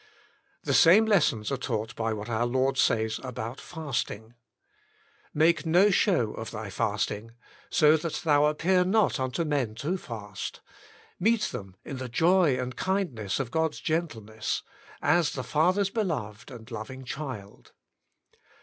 The same lessons are taught by what our Lord says about fasting. Make no show of thy fasting, so that thou appear not unto men to fast; meet The Open Door— The Open Reward 21 them in the joy and kindness of God's gentleness, as the Father's beloved and loving child.